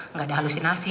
nggak ada halusinasi